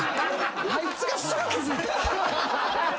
あいつがすぐ気付いた。